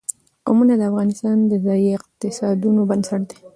قومونه د افغانستان د ځایي اقتصادونو بنسټ دی.